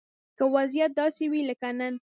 که وضيعت داسې وي لکه نن